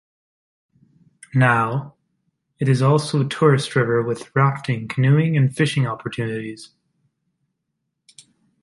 Now, it is also a tourist river with rafting, canoeing, and fishing opportunities.